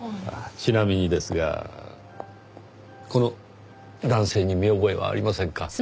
ちなみにですがこの男性に見覚えはありませんか？